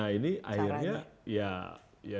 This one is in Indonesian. nah ini akhirnya ya